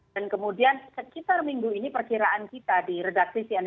dan kemudian sekitar minggu ini perkiraan kita di redaksi cnn